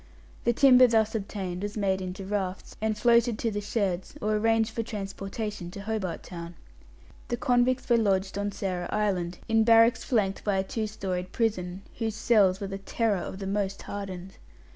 The timber thus obtained was made into rafts, and floated to the sheds, or arranged for transportation to Hobart Town. The convicts were lodged on Sarah Island, in barracks flanked by a two storied prison, whose "cells" were the terror of the most hardened.